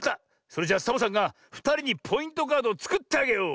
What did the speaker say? それじゃサボさんがふたりにポイントカードをつくってあげよう！